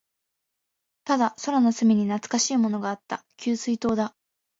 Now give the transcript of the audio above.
ただ、空の隅に懐かしいものがあった。給水塔だ。